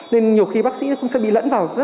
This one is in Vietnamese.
nên nhiều khi bác sĩ cũng sẽ bị lẫn vào